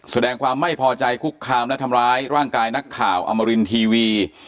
แสดงความไม่พอใจคุกคามและทำร้ายร่างกายนักข่าวอมรินทีวี